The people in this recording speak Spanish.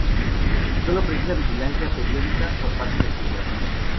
Sólo precisa vigilancia periódica por parte del pediatra.